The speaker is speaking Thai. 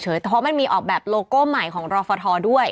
เพราะมันมีออกแบบโลโก้ใหม่ของรอฟทด้วย